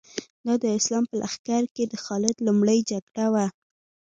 دا د اسلام په لښکر کې د خالد لومړۍ جګړه وه.